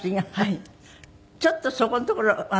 ちょっとそこのところ。